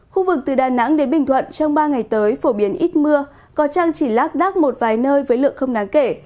khu vực từ đà nẵng đến bình thuận trong ba ngày tới phổ biến ít mưa có trăng chỉ lác đác một vài nơi với lượng không đáng kể